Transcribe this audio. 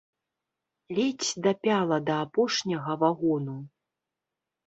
Ледзь дапяла да апошняга вагону.